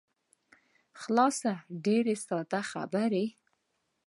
خلاصه ډېرې ساده خبرې.